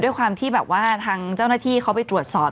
ด้วยความที่แบบว่าทางเจ้าหน้าที่เขาไปตรวจสอบ